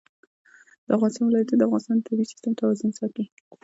د افغانستان ولايتونه د افغانستان د طبعي سیسټم توازن ساتي.